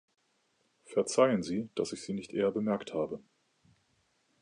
Verzeihen Sie, dass ich Sie nicht eher bemerkt habe.